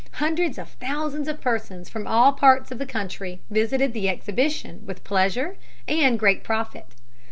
Hundreds of thousands of persons from all parts of the country visited the exhibition with pleasure and great profit.